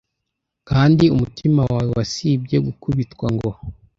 Kandi umutima wawe wasibye gukubitwa ngo: